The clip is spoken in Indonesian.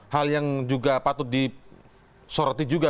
hal yang juga patut disoroti juga